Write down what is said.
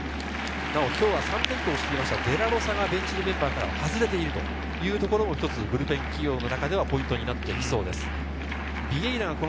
今日は３連投を行いましたデラロサがベンチ入りメンバーから外れているのもブルペン起用の中ではポイントになってきそうです。